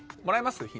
もらいます？